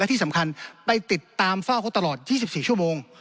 ที่สำคัญไปติดตามเฝ้าเขาตลอด๒๔ชั่วโมง